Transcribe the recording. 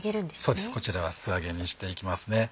そうですこちらは素揚げにしていきますね。